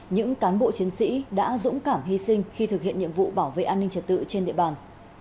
những cán bộ chiến sĩ đã dũng cảm hy sinh khi thực hiện nhiệm vụ bảo vệ an ninh trật tự trên địa bàn